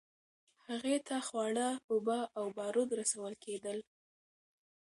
هغې ته خواړه، اوبه او بارود رسول کېدل.